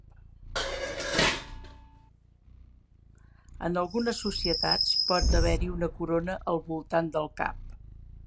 En algunes societats pot haver-hi una corona al voltant del cap.